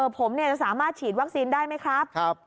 ผมจะสามารถฉีดวัคซีนได้ไหมครับ